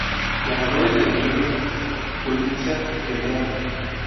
Ganadores del Premio Pulitzer de Teatro